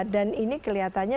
dan ini kelihatannya